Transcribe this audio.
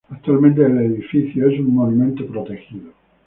Actualmente el edificio es un monumento protegido.